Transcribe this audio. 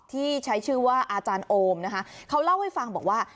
ที่ใช้ชื่อว่าอาจารย์โอมนะคะเขาเล่าให้ฟังบอกว่า